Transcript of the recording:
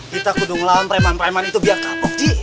kita kudung lawan preman preman itu biar kapok ji